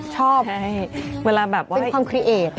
ชอบเพราะเป็นความเครียต